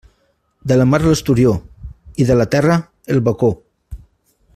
De la mar l'esturió; i de la terra, el bacó.